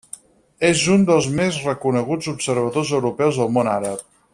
És un dels més reconeguts observadors europeus del món àrab.